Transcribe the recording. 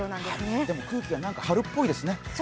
でも空気が何か春っぽいですね。